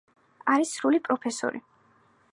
არის სრული პროფესორი.